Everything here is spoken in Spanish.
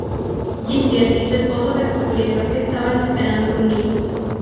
Ginger y su esposo descubrieron que estaban esperando un niño.